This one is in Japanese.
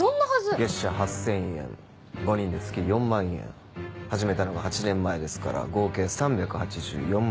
月謝８０００円５人で月４万円始めたのが８年前ですから合計３８４万円。